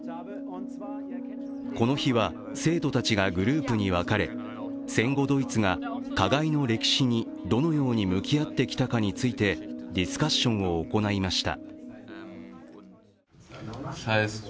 この日は、生徒たちがグループに分かれ戦後ドイツが加害の歴史にどのように向き合ってきたかについてディスカッションを行いました。